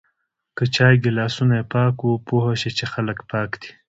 که چای ګلاسونه یی پاک و پوهه شه چی خلک پاک دی